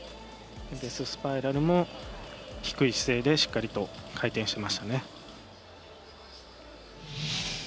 デススパイラルも低い姿勢でしっかりと回転していましたね。